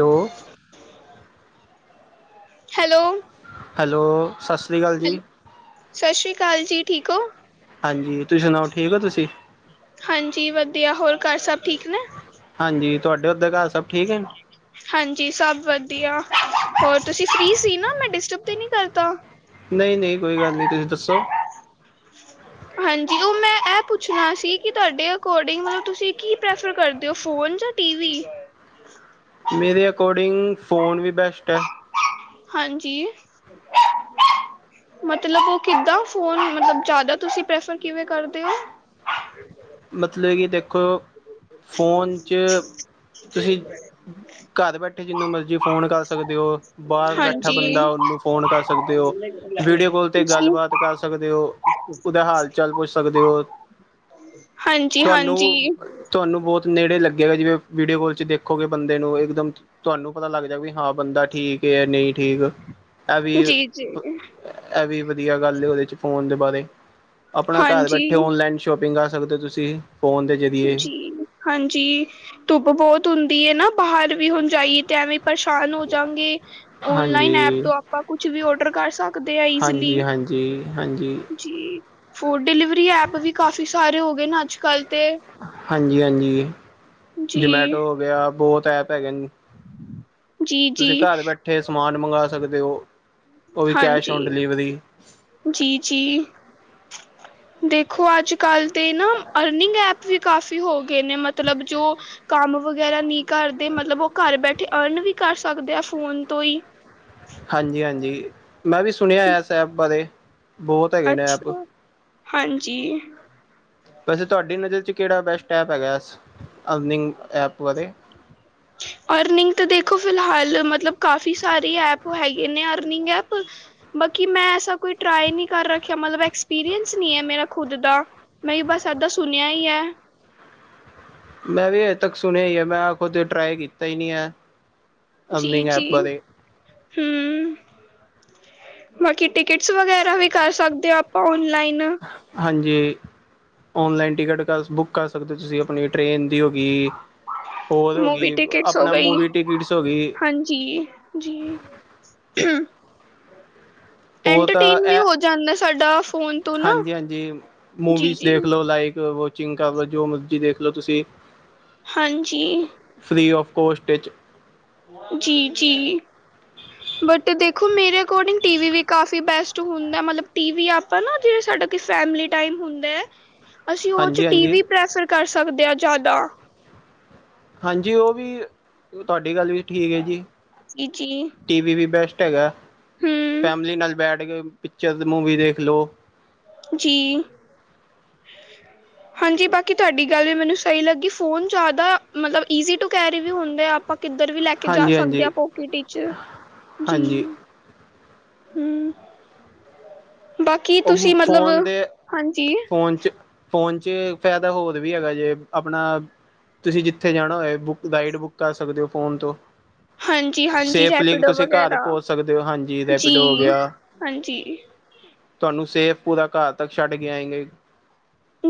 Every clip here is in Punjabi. ਹੈਲੋ। ਹੈਲੋ। ਹੈਲੋ ਸਸ ਸ੍ਰੀ ਕਾਲ ਜੀ। ਸਸ ਸ਼੍ਰੀ ਕਾਲ ਜੀ। ਠੀਕ ਔ? ਹਾਂਜੀ ਤੁਸੀ ਸੁਣਾਔ, ਠੀਕ ਔ ਤੁਸੀ? ਹਾਂਜੀ ਵਧੀਆ। ਹੋਰ ਘਰ ਸਭ ਠੀਕ ਨੇ? ਹਾਂਜੀ। ਤੁਆਡੇ ਔਧਰ ਘਾਰ ਸਭ ਠੀਕ ਏ? ਹਾਂਜੀ ਸਭ ਵਧੀਆ। ਹੋਰ ਤੁਸੀ ਫ੍ਰਰੀ ਸੀ ਨਾ ਮੈਂ ਡਿਸਟਰਬ ਤੇ ਨੀ ਕਰ ਤਾ? ਨਈ-ਨਈ ਕੋਈ ਗੱਲ ਨੀ। ਤੁਸੀ ਦੱਸੋ? ਹਾਂਜੀ ਔ ਮੈਂ ਐ ਪੁੱਛਣਾ ਸੀ ਕਿ ਤੁਆਡੇ ਅਕੋਰਡਿੰਗ ਮਤਲਬ ਤੁਸੀ ਕੀ ਪ੍ਰੈਫਰ ਕਰਦੇ ਔ ਫੋਨ 'ਚ? [inaudible] ਮੇਰੇ ਅਕੋਡਿੰਗ ਫ਼ੋਨ ਵੀ ਬੈਸਟ ਐ। ਹਾਂਜੀ। ਮਤਲਬ ਔ ਕਿੱਦਾਂ ਫੋਨ ਮਤਲਬ ਜ਼ਿਆਦਾ ਤੁਸੀ ਪ੍ਰੈਫਰ ਕਿਵੇਂ ਕਰਦੇ ਔ? ਮਤਲਬ ਕਿ ਦੇਖੋ ਫ਼ੋਨ [unintelligible] ਘਾਰ ਬੈਠੇ ਜਿਨੂੰ ਮਰਜੀ ਫੋਨ ਕਰ ਸਕਦੇ ਔ। ਬਾਰ ਬੈਠਾ ਹਾਂਜੀ, ਬੰਦਾ ਜੀ ਔਨੂੰ ਫੋਨ ਕਰ ਸਕਦੇ ਔ ਵੀਡੀਓ ਕਾਲ ਤੇ ਗੱਲਬਾਤ ਕਰ ਸਕਦੇ ਔ, ਉਦਾ ਹਾਲ- ਚਾਲ ਪੁੱਛ ਸਕਦੇ ਔ ਹਾਂਜ ਤੁਆਨੂੰ, ਤੁਆਨੂੰ ਬੋਤ ਨੇੜੇ ਲੱਗੇਗਾ ਜਿਵੇਂ ਵੀਡੀਓ ਕੋਲ 'ਚ ਦੇਖੋਗੇ ਬੰਦੇ ਨੂੰ ਇੱਕਦਮ ਤੁਆਨੂੰ ਪਤਾ ਲੱਗ ਜਾਏ ਗ ਵੀ ਹਾਂ ਬੰਦਾ ਠੀਕ ਏ ਯਾਂ ਨਈ ਠੀਕ। ਐ ਵੀ, ਜੀ ਜੀ ਐ ਵੀ ਵਧੀਆ ਗੱਲ ਏ ਔਦੇ 'ਚ ਫੋਨ ਦੇ ਬਾਰੇ। ਆਪਣਾ ਘਰ ਹਾਂਜੀ ਬੈਠੇ ਔਨਲਾਈਨ ਸ਼ੋਪਿੰਗ ਕਰ ਸਕਦੇ ਔ ਤੁਸੀ, ਫੋਨ ਤੇ [unintelligible] ਜੀ, ਹਾਂਜੀ ਧੁੱਪ ਬੋਤ ਹੁੰਦੀ ਏ ਨਾ ਬਾਹਰ ਵੀ ਹੁਣ ਜਾਈਏ ਤੇ ਐਵੇਂ ਪਰੇਸ਼ਾਨ ਹੋ ਜਾਂਗੇ। ਔਨਲਾਈਨ ਐਪ ਹਾਂਜੀ ਤੋਂ ਆਪਾਂ ਕੁਛ ਵੀ ਔਡਰ ਕਰ ਸਕਦੇ ਆਂ ਈਜ਼ਲੀ। ਅ ਹਾਂਜੀ। ਜੀ, ਫੂਡ ਡਿਲੀਵਰੀ ਐਪ ਵੀ ਕਾਫੀ ਸਾਰੇ ਹੋ ਗਏ ਨਾ ਅੱਜ ਕੱਲ ਤੇ। ਹਾਂਜੀ-ਹਾਂਜੀ ਜੀ। ਜਮੈਟੋ ਹੋ ਗਿਆ, ਬੋਹੋਤ ਐਪ ਹੈਗੇ ਨ ਜੀ ਤੁਸੀ ਜੀ ਘਾਰ ਬੈਠੇ ਹੋਏ ਸਮਾਨ ਮੰਗਵਾ ਸਕਦੇ ਔ, ਔ ਵੀ ਕੈਸ਼ ਔਨ ਡਿਲੀਵਰੀ। ਜੀ-ਜੀ, ਦੇਖੋ ਅੱਜ ਕੱਲ ਤੇ ਨਾ ਅਰਨਿੰਗ ਐਪ ਵੀ ਕਾਫ਼ੀ ਹੋ ਗਏ ਨੇ ਮਤਲਬ ਜੋ ਕੰਮ ਵਗੈਰਾ ਨੀ ਕਰਦੇ, ਮਤਲਬ ਔ ਘਰ ਬੈਠੇ ਅਰਨ ਵੀ ਕਰ ਸਕਦੇ ਆ ਫੋਨ ਤੋ ਈ। ਹਾਂਜੀ-ਹਾਂਜੀ, ਮੈਂ ਵੀ ਸੁਣਿਐ ਐਸ ਐਪ ਬਾਰੇ। ਬਹੁਤ ਹੈਗੇ ਨੇ ਐਪ ਅੱਛਾ, ਹਾਂਜੀ। ਵੈਸੇ ਤੁਆਡੀ ਨਜ਼ਰ 'ਚ ਕੇੜਾ ਬੈਸਟ ਐਪ ਹੈਗੈ ਐਸ ਅਰਨਿੰਗ ਐਪ ਬਾਰੇ? ਅਰਨਿੰਗ ਤਾਂ ਦੇਖੋ ਫਿਲਹਾਲ ਮਤਲਬ ਕਾਫੀ ਸਾਰੇ ਐਪ ਹੈਗੇ ਨੇ ਅਰਨਿੰਗ ਐਪ। ਬਾਕੀ ਮੈਂ ਐਸਾ ਕੋਈ ਟ੍ਰਾਈ ਨੀ ਕਰ ਰੱਖਿਆ ਮਤਲਬ ਐਕਸਪੀਰੀਅੰਸ ਨੀ ਐ ਮੇਰਾ ਖੁਦ ਦਾ। ਨਈ ਬਸ ਐਦਾਂ ਸੁਣਿਆ ਈ ਐ। ਮੈਂ ਵੀ ਹਜੇ ਤੱਕ ਸੁਣਿਐ ਈ ਐ। ਮੈਂ ਆਪ ਖੁਦ ਟ੍ਰਾਈ ਕੀਤਾ ਈ ਨੀ ਐ। ਜੀ-ਜੀ, ਹੂੰ। ਬਾਕੀ ਟਿਕਟਸ ਵਗੈਰਾ ਵੀ ਕਰ ਸਕਦੇ ਆਂ ਆਪਾਂ ਔਨਲਾਈਨ? ਹਾਂਜੀ, ਔਨਲਾਈਨ ਟਿਕਟ ਕਰ ਸ ਬੁਕ ਕਰ ਸਕਦੇ ਔ ਤੁਸੀ ਆਪਣੀ ਟ੍ਰੇਨ ਦੀ ਹੋ ਗੀ [unintelligible] ਹੋ ਮੂਵੀ ਗਈ, ਆਪਣਾ ਮੂਵੀ ਟਿਕਟਸ ਹੋ ਗਈ। ਜੀ, ਜੀ। ਔ ਤਾਂ ਐਂਟਰਟੇਨ ਵੀ ਐ ਹੋ ਜਾਂਦਾ ਸਾਡਾ ਫੋਨ ਤੋਂ ਨਾ ਹਾਂਜੀ-ਹਾਂਜੀ ਜੀ ਮੂਵੀਜ਼ ਜੀ ਦੇਖ ਲੋ ਲਾਈਕ ਚਿੰ [unintelligible] ਜੋ ਮਰਜ਼ੀ ਵੇਖ ਲੋ ਤੁਸੀ। ਹਾਂਜੀ। ਫ੍ਰੀ ਆਫ ਕੋਸਟ ਇੱਚ। ਜੀ-ਜੀ। [unintelligible] ਬਟ ਦੇਖੋ ਮੇਰੇ ਅਕੋਰਡਿੰਗ ਟੀਵੀ ਵੀ ਕਾਫੀ ਬੈਸਟ ਹੁੰਦੈ, ਮਤਲਬ ਟੀਵੀ ਆਪਾਂ ਨਾ ਜੇੜੇ ਸਾਡਾ ਕਿ ਫੈਮਿਲੀ ਟਾਈਮ ਹੁੰਦੈ [unintelligible] ਅਸੀ ਔਰ 'ਚ ਹਾਂਜੀ-ਹਾਂਜੀ ਟੀਵੀ ਪ੍ਰੈਫਰ ਕਰ ਸਕਦੇ ਆਂ ਜ਼ਿਆਦਾ। ਹਾਂਜੀ, ਔ ਵੀ ਤੁਆਡੀ ਗੱਲ ਵੀ ਠੀਕ ਏ ਜੀ। ਜੀ-ਜੀ। ਟੀਵੀ ਵੀ ਬੈਸਟ ਹੈਗਾ। ਫੈਮਿਲੀ ਨਾਲ ਬੈਠ ਕੇ ਪਿਚਰ ਮੂਵੀ ਦੇਖ ਲੋ। ਜੀ। ਹਾਂਜੀ ਬਾਕੀ ਤੁਆਡੀ ਗੱਲ ਵੀ ਮੈਨੂੰ ਸਹੀ ਲੱਗੀ ਫੋਨ ਜ਼ਿਆਦਾ ਮਤਲਬ ਈਜ਼ੀ ਟੂ ਕੈਰੀ ਵੀ ਹੁੰਦੇ ਆ। ਆਪਾਂ ਕਿੱਧਰ ਵੀ ਲੈ ਕੇ ਜਾ ਹਾਂਜੀ ਸਕਦੇ ਹਾਂਜੀ ਆਂ ਪੋਕਿਟ ਇੱਚ। ਜੀ। ਹਾਂਜੀ ਹੂੰ। ਬਾਕੀ ਉਹ ਤੁਸੀ ਮਤਲਬ, ਫੋਨ ਦੇ ਹਾਂਜੀ। ਫੋਨ 'ਚ ਫੋਨ 'ਚ ਫੈਦਾ ਹੋਰ ਵੀ ਹੈਗਾ ਜੇ ਆਪਣਾ ਤੁਸੀ ਕਿੱਥੇ ਜਾਣਾ ਹੋਏ ਬੁੱਕ ਰਾਈਡ ਬੁੱਕ ਕਰ ਸਕਦੇ ਔ ਫ਼ੋਨ ਤੋ। ਹਾਂਜੀ ਹਾਂਜੀ ਸੇਫਲੀ ਰੈਪੀਡੋ ਤੁਸੀ ਘਰ ਵਗੈਰਾ ਪੋਂਚ ਸਕਦੇ ਔ ਹਾਂਜੀ ਰੈਪਿਡ ਹੋ ਜੀ ਗਿਆ ਹਾਂਜੀ। ਤੁਆਨੂੰ ਸੇਫ ਪੂਰਾ ਘਰ ਤੱਕ ਛੱਡ ਕੇ ਆਏਗੇ,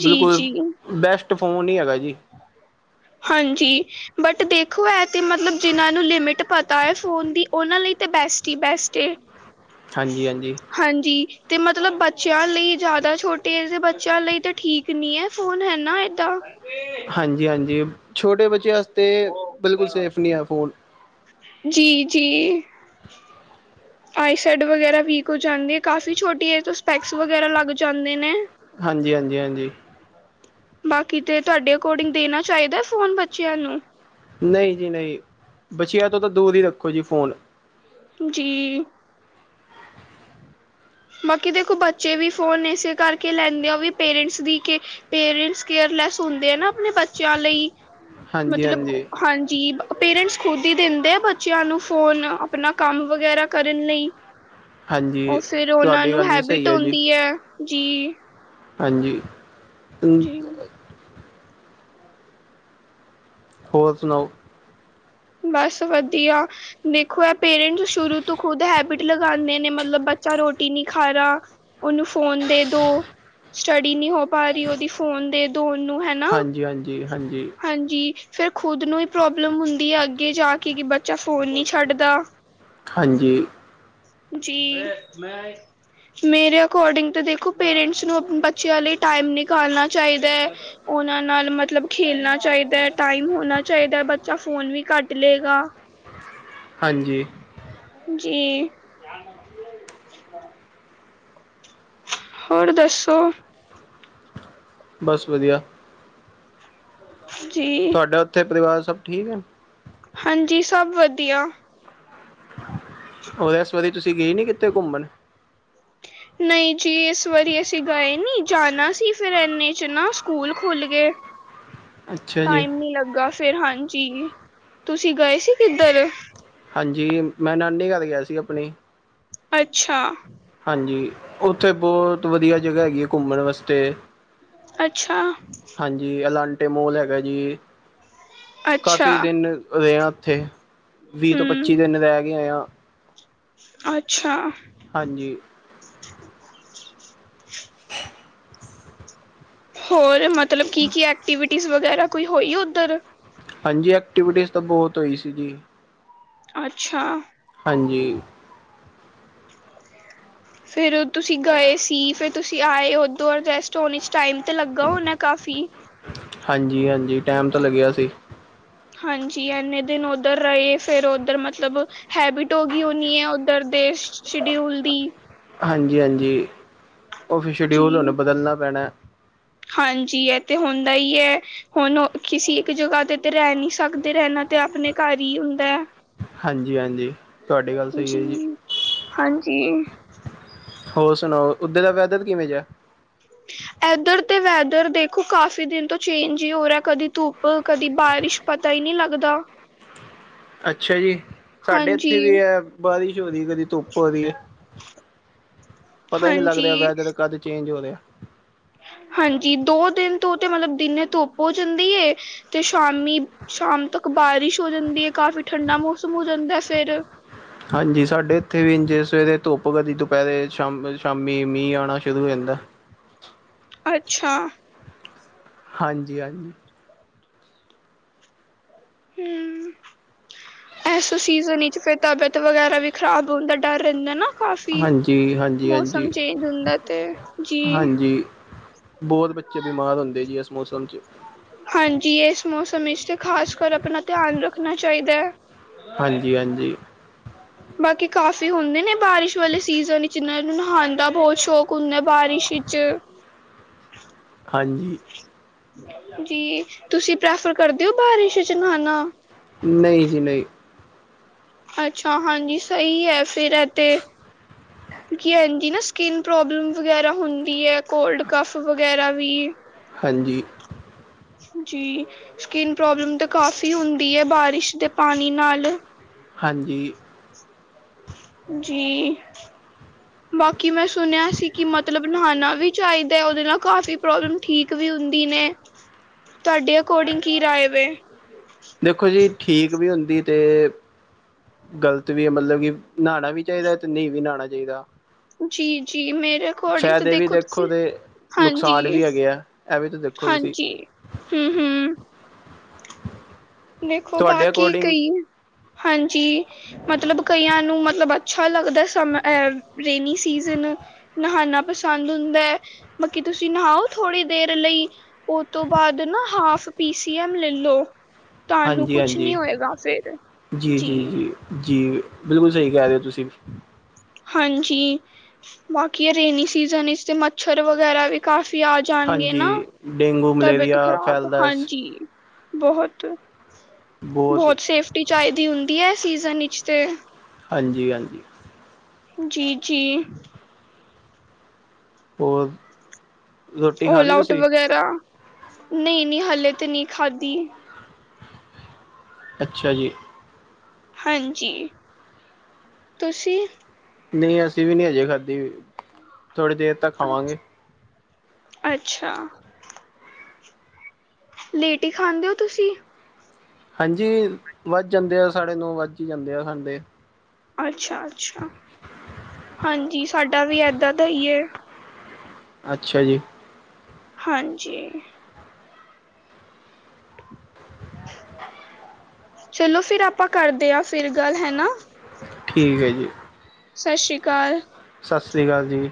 ਜੀ ਬਿਲਕੁਲ। ਜੀ ਬੈਸਟ ਫੋਨ ਈ ਹੈਗਾ ਜੀ। ਹਾਂਜੀ। ਬਟ ਦੇਖੋ ਐ ਤੇ ਮਤਲਬ ਜਿਨਾਂ ਨੂੰ ਲਿਮਿਟ ਪਤਾ ਐ ਫੋਨ ਦੀ ਔਨਾਂ ਲਈ ਤੇ ਬੈਸਟ ਈ ਬੈਸਟ ਏ। [unintelligible] ਹਾਂਜੀ-ਹਾਂਜੀ। ਹਾਂਜੀ ਤੇ ਮਤਲਬ ਬੱਚਿਆਂ ਲਈ ਜ਼ਿਆਦਾ ਛੋਟੇ ਏਜ ਦੇ ਬੱਚਿਆਂ ਲਈ ਤੇ ਠੀ ਕ ਨੀ ਐ ਫੋਨ ਹੈਨਾ ਏਦਾਂ। ਹਾਂਜੀ-ਹਾਂਜੀ, ਛੋਟੇ ਬੱਚਿਆਂ ਆਸਤੇ ਬਿਲਕੁਲ ਸੇਫ ਨੀ ਐ ਫੋਨ। ਜੀ, ਜੀ, ਆਈਸੈਡ ਵਗੈਰਾ ਵੀਕ ਹੋ ਜਾਂਦੀ ਹੈ, ਕਾਫ਼ੀ ਛੋਟੀ ਹੈ ਤੋਂ ਸਪੈਕਸ ਵਗੈਰਾ ਲੱਗ ਜਾਂਦੇ ਨੇ ਹਾਂਜੀ, ਹਾਂਜੀ, ਹਾਂਜੀ ਬਾਕੀ ਤੇ ਤੁਹਾਡੇ ਅਕੋਰਡਿੰਗ ਦੇਣਾ ਚਾਹੀਦਾ ਫੋਨ ਬੱਚਿਆਂ ਨੂੰ? ਨਹੀਂ, ਜੀ ਨਹੀਂ ਬੱਚਿਆਂ ਤੋਂ ਤਾਂ ਦੂਰ ਹੀ ਰੱਖੋ ਜੀ ਫੋਨ ਜੀ ਬਾਕੀ ਦੇਖੋ ਬੱਚੇ ਵੀ ਫੋਨ ਇਸੇ ਕਰਕੇ ਲੈਂਦੇ ਆ ਵੀ ਪੇਰੈਂਟਸ ਦੀ ਕੇ ਪੇਰੈਂਟਸ, ਕੇਅਰਲੈਸ ਹੁੰਦੇ ਆ ਨਾ ਆਪਣੇ ਬੱਚਿਆਂ ਲਈ ਹਾਂਜੀ ਮਤਲਬ ਹਾਂਜੀ ਹਾਂਜੀ, ਪੇਰੈਂਟਸ ਖੁਦ ਹੀ ਦਿੰਦੇ ਆ ਬੱਚਿਆਂ ਨੂੰ ਫੋਨ ਆਪਣਾ ਕੰਮ ਵਗੈਰਾ ਕਰਨ ਲਈ। ਹਾਂਜੀ, ਉਹ ਫਿਰ ਉਹਨਾਂ ਤੁਹਾਡੀ ਨੂੰ ਗੱਲ ਵੀ ਹੈਬਿਟ ਸਹੀ ਜੀ ਆਉਂਦੀ ਹੈ ਜੀ, ਹਾਂਜੀ [unintelligible] ਜੀ ਹੋਰ ਸੁਣਾਓ? ਬਸ ਵਧੀਆ ਦੇਖੋ ਏਹ ਪੇਰੈਂਟਸ ਸ਼ੁਰੂ ਤੋਂ ਖੁਦ ਹੈਬਿਟ ਲਗਾਉਂਦੇ ਨੇ ਮਤਲਬ ਬੱਚਾ ਰੋਟੀ ਨੀ ਖਾ ਰਹਾ। ਉਹਨੂੰ ਫੋਨ ਦੇ ਦੋ ਸਟੱਡੀ ਨਹੀਂ ਹੋ ਪਾ ਰਹੀ ਉਹਦੀ ਫੋਨ ਦੇ ਦੋ ਉਹਨੂੰ ਹੈ। ਹਾਂਜੀ ਹਾਂਜੀ ਹਾਂਜੀ, ਹਾਂਜੀ, ਫਿਰ ਖੁਦ ਨੂੰ ਹੀ ਪ੍ਰੋਬਲਮ ਹੁੰਦੀ ਹੈ, ਅੱਗੇ ਜਾ ਕੇ ਕਿ ਬੱਚਾ ਫੋਨ ਨਹੀਂ ਛੱਡਦਾ। ਹਾਂਜੀ, ਜੀ ਮੈਂ, [unintelligible] ਮੇਰੇ ਅਕੋਰਡਿੰਗ ਤਾਂ ਦੇਖੋ ਪੇਰੈਂਟਸ ਨੂੰ ਆਪਣੇ ਬੱਚਿਆਂ ਲਈ ਟਾਈਮ ਨਿਕਾਲਣਾ ਚਾਹੀਦਾ ਹੈ। ਉਹਨਾਂ ਨਾਲ ਮਤਲਬ ਖੇਲਣਾ ਚਾਹੀਦਾ ਹੈ ਟਾਈਮ ਹੋਣਾ ਚਾਹੀਦਾ ਬੱਚਾ ਫੋਨ ਵੀ ਘੱਟ ਲਏਗਾ। ਹਾਂਜੀ। ਜੀ ਹੋਰ ਦੱਸੋ? ਬਸ ਵੱਧੀਆ। ਜੀ ਤੁਆਡਾ ਓੱਥੇ ਪਰਿਵਾਰ ਸਭ ਠੀਕ ਹੈ? ਹਾਂਜੀ, ਸਭ ਵਧੀਆ। ਔ ਐਸ ਵਾਰੀ ਤੁਸੀਂ ਗਏ ਨੀ ਕਿੱਤੇ ਘੁੰਮਣ? ਨਹੀਂ ਜੀ ਇਸ ਵਾਰੀ ਅਸੀਂ ਗਏ ਨੀ ਜਾਣਾ ਸੀ ਫਿਰ ਇਨੇ ਚ ਨਾ ਸਕੂਲ ਖੁੱਲ ਗਏ। [unintelligible] ਜੀ ਟਾਈਮ ਨੀ ਲੱਗਾ ਫੇਰ ਹਾਂਜੀ, ਤੁਸੀਂ ਗਏ ਸੀ ਕਿੱਧਰ? ਹਾਂਜੀ ਮੈਂ ਨਾਨੀ ਘਰ ਗਿਆ ਸੀ ਆਪਣੀ ਅੱਛਾ, ਹਾਂਜੀ, ਉੱਥੇ ਬਹੁਤ ਵਧੀਆ ਜਗ੍ਹਾ ਹੈਗੀ ਹੈ ਘੁੰਮਣ ਵਾਸਤੇ ਅੱਛਾ, ਹਾਂਜੀ, ਅਲਾਂਟੇਮੋਲ ਹੈਗਾ ਜੀ ਅੱਛਾ ਕਾਫੀ ਦਿਨ ਰਹਾ ਉੱਥੇ ਵੀਹ ਤੋਂ ਹਮ ਪੱਚੀ ਦਿਨ ਰਹਿ ਕੇ ਆਏ ਆ, ਅੱਛਾ, ਹਾਂਜੀ, ਹੋਰ ਮਤਲਬ ਕੀ-ਕੀ ਐਕਟੀਵਿਟੀ ਵਗੈਰਾ ਕੋਈ ਹੋਈ ਉੱਧਰ? ਹਾਂਜੀ ਐਕਟੀਵਿਟੀਜ਼ ਤਾਂ ਬਹੁਤ ਹੋਈ ਸੀ ਜੀ। ਅੱਛਾ, ਹਾਂਜੀ। ਫਿਰ ਤੁਸੀਂ ਗਏ ਸੀ, ਫਿਰ ਤੁਸੀਂ ਆਏ ਓਦੋਂ ਔਰ ਰੈਸਟ ਹੋਨੀ ਇਸ ਟਾਈਮ ਤੇ ਲੱਗਾ ਹੁਨਾ ਕਾਫੀ? ਹਾਂਜੀ-ਹਾਂਜੀ, ਟੈਮ ਤਾਂ ਲੱਗਿਆ ਸੀ। ਹਾਂਜੀ, ਐੱਨੇ ਦਿਨ ਓੱਧਰ ਰਏ, ਫੇਰ ਓੱਧਰ ਮਤਲਬ ਹੈਬਿਟ ਔ ਗਈ ਹੁਣੀ ਐ ਓੱਧਰ ਦੇ, ਸ਼ ਸ਼ਡਿਊਲ ਦੀ? ਹਾਂਜੀ-ਹਾਂਜੀ, ਓ ਫਿਰ ਸ਼ਡਿਊਲ ਜੀ ਹੁਣ ਬਦਲਣਾ ਪੈਣਾ। ਹਾਂਜੀ, ਏ ਤੇ ਹੁੰਦੈ ਈ ਐ। ਹੁਣ ਉ, ਕਿਸੀ ਇੱਕ ਜਗ੍ਹਾ ਤੇ ਤੇ ਰੈ ਨੀਂ ਸਕਦੇ ਰੈਣਾ ਤੇ ਆਪਣੇ ਘਰ ਈ ਹੁੰਦੈ। ਹਾਂਜੀ-ਹਾਂਜੀ। ਜੀ, ਹਾਂਜੀ। ਹੋਰ ਸੁਣਾਓ, ਉੱਧੇ ਦਾ ਵੈਧਰ ਕਿਵੇਂ ਜਾ? ਐਧਰ ਤੇ ਵੈਦਰ ਦੇਖੋ ਕਾਫ਼ੀ ਦਿਨ ਤੋਂ ਚੇਂਜ ਈ ਹੋ ਰਾ, ਕਦੀ ਧੁੱਪ, ਕਦੀ ਬਾਰਿਸ਼। ਪਤਾ ਈ ਨਈਂ ਲੱਗਦਾ। ਅੱਛਾ ਜੀ, ਸਾਡੇ ਹਾਂਜੀ ਇੱਥੇ ਵੀ ਐ, ਬਾਰਿਸ਼ ਹੋ ਰਈ ਕਦੀ ਧੁੱਪ ਹੋਰੀ ਐ, ਪਤਾ ਈ ਨੀਂ ਲੱਗਦਾ ਹਾਂਜੀ ਵੈਧਰ ਕਦ ਚੇਂਜ ਹੋ ਰੇਆ। ਹਾਂਜੀ, ਦੋ ਦਿਨ ਤੋਂ ਤੇ ਮਤਲਬ ਦਿਨੇ ਧੁੱਪ ਔ ਜਾਂਦੀ ਐ ਤੇ ਸ਼ਾਮੀ, ਸ਼ਾਮ ਤੱਕ ਬਾਰਿਸ਼ ਹੋ ਜਾਂਦੀ ਹੈ ਕਾਫ਼ੀ ਠੰਡਾ ਮੌਸਮ ਹੋ ਜਾਂਦੈ ਫਿਰ। ਹਾਂਜੀ, ਸਾਡੇ ਇੱਥੇ ਵੀੰ ਜੇਂ ਸਵੇਰੇ ਧੁੱਪ ਕਦੀ ਦੁਪਐਰੇ, ਸ਼ਾਮ ਬ ਸ਼ਾਮੀ ਮੀਂਅ ਆਣਾ ਸ਼ੁਰੂ ਹੋ ਜਾਂਦੈ। ਅੱਛਾ। ਹਾਂਜੀ-ਹਾਂਜੀ। [inaudible] ਐਸ ਸੀਜ਼ਨ ਈ ਚ ਫਿਰ ਤਬੀਅਤ ਵਗੈਰਾ ਵੀ ਖ਼ਰਾਬ ਹੁਣ ਦਾ ਡਰ ਰੈਂਦਾ ਨਾ? ਕਾਫੀ, ਹਾਂਜੀ ਹਾਂਜੀ ਮੌਸਮ ਹਾਂਜੀ ਚੇਂਜ ਹੁੰਦਾ ਤੇ, ਜੀ। ਹਾਂਜੀ ਬਹੁਤ ਬੱਚੇ ਬਿਮਾਰ ਹੁੰਦੇ ਜੀ ਇਸ ਮੌਸਮ 'ਚ। ਹਾਂਜੀ ਏਸ ਮੌਸਮ ਵਿਚ ਤੇ ਖ਼ਾਸ ਕਰ ਅਪਣਾ ਧਿਆਨ ਰੱਖਣਾ ਚਾਈਦਾ ਐ। ਹਾਂਜੀ-ਹਾਂਜੀ। ਬਾਕੀ ਕਾਫ਼ੀ ਹੁੰਦੇ ਨੇ ਬਾਰਿਸ਼ ਵਾਲੇ ਸੀਜ਼ਨ ਚ ਜਿੰਨਾ ਨੂੰ ਨਹਾਣ ਦਾ ਬੌਤ ਸ਼ੌਕ ਕੁਨੇ ਬਾਰਿਸ਼ ਵਿੱਚ। ਹਾਂਜੀ। ਜੀ, ਤੁਸੀਂ ਪ੍ਰੈਫਰ ਕਰਦੇ ਓ ਬਾਰਿਸ਼ ਚ ਨਹਾਣਾ? ਨਈਂ ਜੀ ਨਈਂ। ਅੱਛਾ, ਹਾਂਜੀ ਸਹੀ ਹੈ, ਫੇਿਰ ਇ ਤੇ ਹ ਕਿਉਂਕਿ ਐਂਦੀ ਨਾ ਸਕਿੰਨ ਪ੍ਰੋਬਲਮ ਵਗੈਰਾ ਹੁੰਦੀ ਹੈ। ‌ਕੋਲਡ ਕਫ ਵਗੈਰਾ ਵੀ, ਹਾਂਜੀ, ਜੀ, ਸਕਿਨ ਪ੍ਰੋਬਲਮ ਤਾਂ ਕਾਫ਼ੀ ਹੁੰਦੀ ਐ ਬਾਰਿਸ਼ ਦੇ ਪਾਣੀ ਨਾਲ। ਹਾਂਜੀ। ਜੀ, ਬਾਕੀ ਮੈਂ ਸੁਣਿਆ ਸੀ ਕਿ ਮਤਲਬ ਨਹਾਣਾ ਵੀ ਚਾਈਦਾ ਓਦੇ ਨਾਲ ਕਾਫ਼ੀ ਪ੍ਰੋਬਲਮ ਠੀਕ ਵੀ ਹੁੰਦੀ ਨੇ। ਤਾਡੇ ਅਕੋਡਿੰਗ ਕੀ ਰਾਏ ਵੈ? ਦੇਖੋ ਜੀ ਠੀਕ ਵੀ ਹੁੰਦੀ ਤੇ ਗ਼ਲਤ ਵੀ ਐ ਮਤਲਬ ਕਿ, ਨਾਣਾ ਵੀ ਚਾਈਦੈ ਤੇ ਨਈਂ ਵੀ ਨਾਣਾ ਚਾਈਦਾ। ਜੀ-ਜੀ, ਮੇਰੇ ਅਕੋਡਿੰਗ ਤੋਂ ਵੀ ਦੇਖੋ ਤੁਸੀਂ ਤੇ ਹਾਂਜੀ, ਨੁਕਸਾਨ ਵੀ ਹੈਗੇ ਆ ਇਹ ਵੀ ਤਾਂ ਦੇਖੋ ਤੁਸੀਂ ਹਾਂਜੀ, ਹੰਮ੍ਹ-ਹੰਮ੍ਹ। ਦੇਖੋ ਤੁਹਾਡੇ ਬਾਕੀ ਅਕੋਰਡਿੰਗ ਕਈ, ਹਾਂਜੀ। ਮਤਲਬ ਕਈਆਂ ਨੂੰ, ਮਤਲਬ ਅੱਛਾ ਲੱਗਦਾ ਸਮ ਐ, ਰੇਨੀ ਸੀਜ਼ਨ। ਨਹਾਉਣਾ ਪਸੰਦ ਹੁੰਦਾ ਹੈ, ਮਕੀ ਤੁਸੀਂ ਨਹਾਓ ਥੋੜ੍ਹੀ ਦੇਰ ਲਈ। ਉਹ ਤੋਂ ਬਾਅਦ ਨਾ ਹਾਫ ਪੀ ਸੀ ਐਮ ਲੈ ਲਓ ਹਾਂਜੀ, ਹਾਂਜੀ, ਫੇਰ ਜੀ, ਜੀ, ਜੀ। ਜੀ, ਬਿਲਕੁਲ ਸਹੀ ਕਹਿ ਰਹੇ ਹੋ ਤੁਸੀਂ। ਹਾਂਜੀ, ਬਾਕੀ ਰੇਨੀ ਸੀਜਨ ਇਸ ਤੇ ਮੱਛਰ ਵਗੈਰਾ ਵੀ। ਕਾਫੀ ਆ ਜਾਣਗੇ ਨਾ ਹਾਂਜੀ, ਡੇਂਗੂ, ਤਬੀਅਤ ਮਲੇਰੀਆ ਖ਼ਰਾਬ, ਫੈਲਦਾ ਸ ਹਾਂਜੀ। ਬਹੁਤ ਬਹੁਤ-ਬਹੁਤ ਸੇਫਟੀ ਚਾਹੀਦੀ ਹੁੰਦੀ ਹੈ। ਸੀਜ਼ਨ ਵਿਚ ਤੇ, ਹਾਂਜੀ, ਹਾਂਜੀ ਜੀ, ਜੀ ਹੋਰ, ਰੋਟੀ ਖਾ ਓਲਾ ਲਈ ਆਊਟ ਤੁਸੀਂ? ਵਗੈਰਾ, ਨਹੀਂ ਨਹੀਂ ਹਲੇੇ ਤੇ ਨਹੀਂ ਖਾਧੀ। ਅੱਛਾ ਜੀ ਹਾਂਜੀ, ਤੁਸੀਂ ਨਹੀਂ ਅਸੀਂ ਵੀ, ਨਹੀਂੀ ਹਜੇ ਖਾਧੀ ਵੀ ਥੋੜੀ ਦੇਰ ਤੱਕ ਖਾਵਾਂਗੇ। ਹਾਂਜੀ, ਅੱਛਾ ਲੇਟੀ ਖਾਂਦੇ ਹੋ ਤੁਸੀਂ। ਹਾਂਜੀ, ਵੱਧ ਜਾਂਦੇ ਆ ਸਾਢੇ ਨੌ ਵੱਜ ਹੀ ਜਾਂਦੇ ਆ। ਖਾਂਦੇ ਅੱਛਾ, ਅੱਛਾ, ਹਾਂਜੀ, ਸਾਡਾ ਵੀ ਏਦਾਂ ਦਾ ਹੀ ਹੈ। ਅੱਛਾ ਜੀ, ਹਾਂਜੀ, ਚਲੋ ਫਿਰ ਆਪਾਂ ਕਰਦੇ ਹਾਂ ਫਿਰ ਗੱਲ ਹਨਾ। ਠੀਕ ਹੈ, ਜੀ ਸਤਿ ਸ਼੍ਰੀ ਅਕਾਲ ਸਤਿ ਸ਼੍ਰੀ ਅਕਾਲ ਜੀ